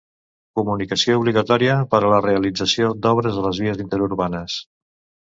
Comunicació obligatòria per a la realització d'obres a les vies interurbanes.